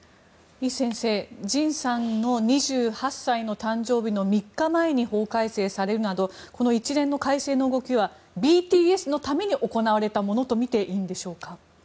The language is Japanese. イ先生、ＪＩＮさんの２８歳の誕生日の３日前に法改正されるなど一連の改正の動きはＢＴＳのために行われたものとみていいんでしょうか。